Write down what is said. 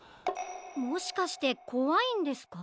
もしかしてこわいんですか？